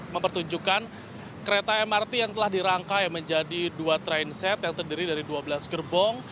mempertunjukkan kereta mrt yang telah dirangkai menjadi dua trainset yang terdiri dari dua belas gerbong